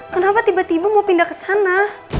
kenapa tiba tiba mau pindah ke sana